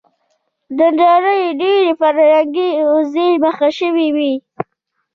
د نړۍ ډېری فرهنګې حوزې مخ شوې وې.